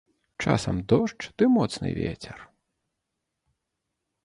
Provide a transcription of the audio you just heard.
Часам дождж ды моцны вецер.